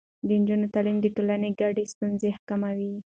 د نجونو تعليم د ټولنې ګډې ستونزې کموي.